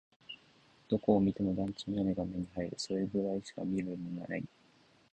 どこを見ても団地の屋根が目に入る。それくらいしか見えるものはない。